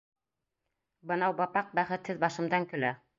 Бынау бапаҡ бәхетһеҙ башымдан көлә.